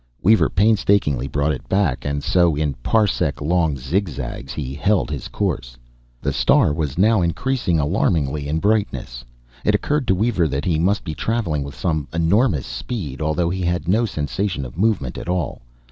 Weaver painstakingly brought it back; and so, in parsec long zigzags, he held his course. The star was now increasing alarmingly in brightness. It occurred to Weaver that he must be traveling with enormous speed, although he had no sensation of movement at all.